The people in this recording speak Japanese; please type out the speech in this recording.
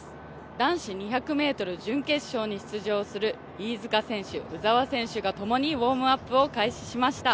男子２００ｍ準決勝に出場する飯塚選手、鵜澤選手がともにウォームアップを開始しました。